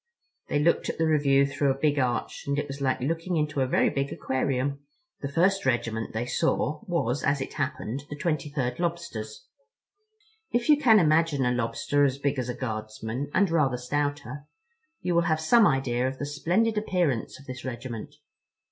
They looked at the review through a big arch, and it was like looking into a very big aquarium. The first regiment they saw was, as it happened, the 23rd Lobsters. If you can imagine a Lobster as big as a Guardsman, and rather stouter, you will have some idea of the splendid appearance of this regiment.